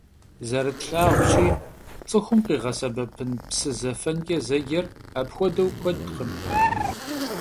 Zerıtlhağuşi, ts'ıxum khiğesebepın psı zefenç'e zecer apxuedeu kuedkhım.